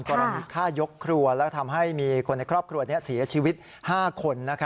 กรณีฆ่ายกครัวและทำให้มีคนในครอบครัวเสียชีวิต๕คน